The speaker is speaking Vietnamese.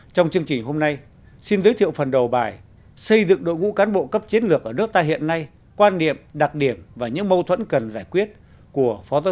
trong chương trình hôm nay xin giới thiệu phần đầu bài xây dựng đội ngũ cán bộ cấp chiến lược ở nước ta hiện nay quan điểm đặc điểm và những mâu thuẫn cần giải quyết của phó giáo sư